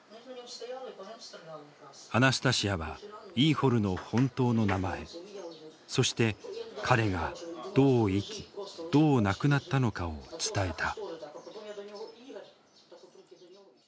アナスタシヤはイーホルの本当の名前そして彼がどう生きどう亡くなったのかを伝えた。